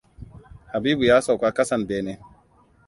Habibu ya sauka kasan bene.